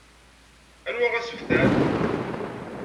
Anwa asebter?